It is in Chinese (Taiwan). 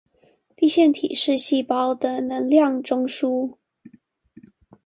粒線體是細胞的能量中樞